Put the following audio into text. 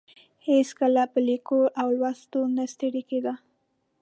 هېڅکله په لیکلو او لوستلو نه ستړې کیده.